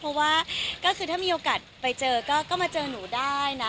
เพราะว่าก็คือถ้ามีโอกาสไปเจอก็มาเจอหนูได้นะ